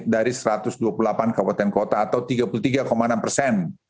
dari satu ratus dua puluh delapan kabupaten kota atau tiga puluh tiga enam persen